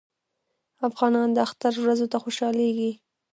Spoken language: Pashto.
افغانان د اختر ورځو ته خوشحالیږي.